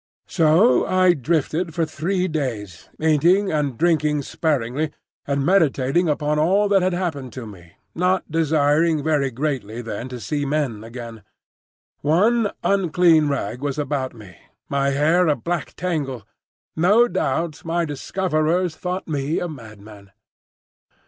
So I drifted for three days, eating and drinking sparingly, and meditating upon all that had happened to me,—not desiring very greatly then to see men again. One unclean rag was about me, my hair a black tangle: no doubt my discoverers thought me a madman.